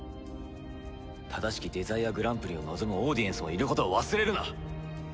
正しきデザイアグランプリを望むオーディエンスもいることを忘れるな。